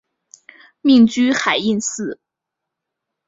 命居海印寺。